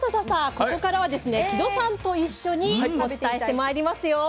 ここからはですね木戸さんと一緒にお伝えしてまいりますよ。